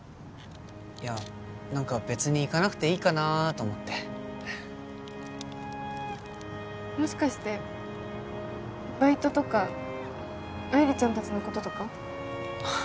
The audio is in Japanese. いや何か別に行かなくていいかなーと思ってもしかしてバイトとか愛理ちゃん達のこととか？